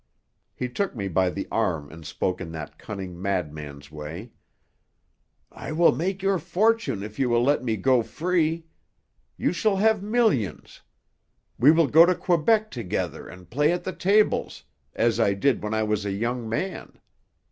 He took me by the arm and spoke in that cunning madman's way: "I will make your fortune if you will let me go free. You shall have millions. We will go to Quebec together and play at the tables, as I did when I was a young man.